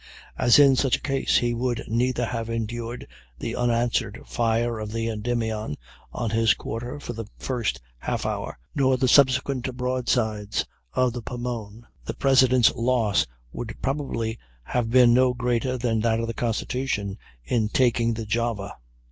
As in such a case he would neither have endured the unanswered fire of the Endymion on his quarter for the first half hour, nor the subsequent broadsides of the Pornone, the President's loss would probably have been no greater than that of the Constitution in taking the Java.